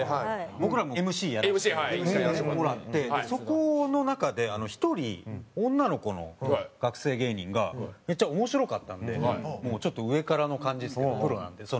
僕らもＭＣやらせてもらってそこの中で１人女の子の学生芸人がめっちゃ面白かったんでちょっと上からの感じですけどプロなんで。